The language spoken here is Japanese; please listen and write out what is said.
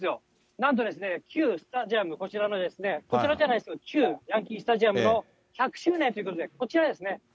なんと、旧スタジアム、こちらの、こちらじゃないですよ、旧ヤンキー・スタジアムの１００周年ということで、こちらですね。